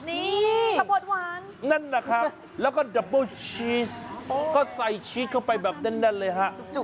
นี่กระบดหวานนั่นนะครับแล้วก็ดับเบิ้ลชีสก็ใส่ชีสเข้าไปแบบแน่นเลยฮะ